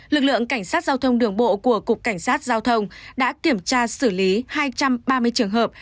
lực lượng cảnh sát giao thông đường bộ của cục cảnh sát giao thông đã kiểm tra xử lý hai trăm ba mươi trường hợp